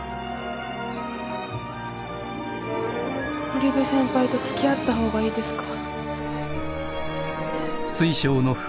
堀部先輩と付き合った方がいいですか？